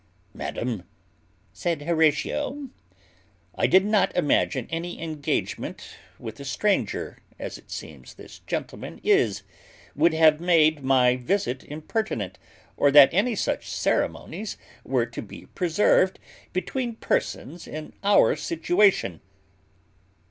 "Madam," said Horatio, "I did not imagine any engagement with a stranger, as it seems this gentleman is, would have made my visit impertinent, or that any such ceremonies were to be preserved between persons in our situation."